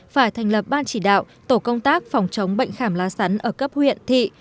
phải thành lập ban chỉ đạo tổ công tác phòng chống bệnh khảm lá sắn ở cấp huyện thị